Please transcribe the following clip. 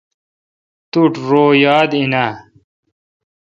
توٹھ رو یاد این اؘ۔